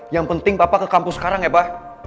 yang penting papa ke kampus sekarang ya pa